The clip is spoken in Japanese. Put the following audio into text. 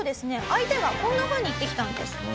相手がこんなふうに言ってきたんです。